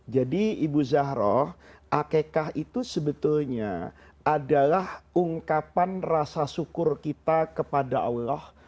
jadi ibu zahroh akeka itu sebetulnya adalah ungkapan rasa syukur kita kepada allah